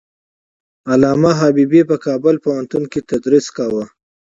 علامه حبيبي په کابل پوهنتون کې تدریس کاوه.